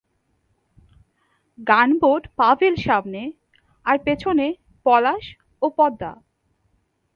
Gunboat 'পাভেল' সামনে আর পেছনে 'পলাশ' ও 'পদ্মা'।